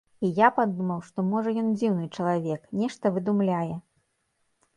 І я падумаў, што, можа, ён дзіўны чалавек, нешта выдумляе.